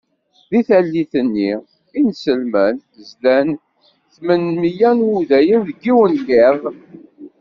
Deg tallit-nni, imselmen zlan i tmen-mya n Wudayen deg yiwen n yiḍ.